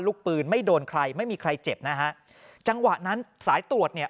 ลูกปืนไม่โดนใครไม่มีใครเจ็บนะฮะจังหวะนั้นสายตรวจเนี่ย